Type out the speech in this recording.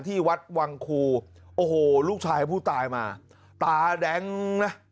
ที่วัดวังคูโอ้โหลูกชายผู้ตายมาตาแดงนะ